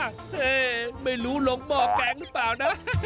เฮ่ไม่รู้หลงบ่อกแก่งต่อกัน